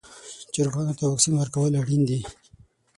چرګانو ته واکسین ورکول اړین دي.